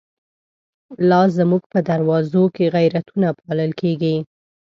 لازموږ په دروازوکی، غیرتونه پالل کیږی